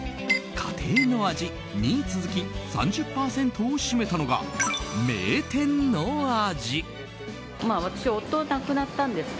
家庭の味に続き３０％を占めたのが名店の味。